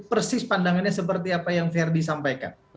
persis pandangannya seperti apa yang verdi sampaikan